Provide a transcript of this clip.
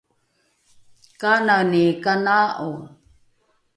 kanani kanaa’o?